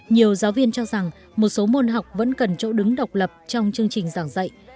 nhiều giáo viên cho rằng một số môn học vẫn cần chỗ đứng độc lập trong chương trình giảng dạy